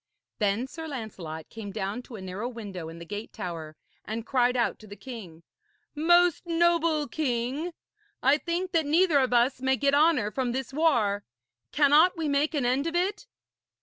Then Sir Lancelot came down to a narrow window in the gate tower, and cried out to the king: 'Most noble king, I think that neither of us may get honour from this war. Cannot we make an end of it?'